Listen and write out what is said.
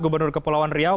gubernur kepulauan riau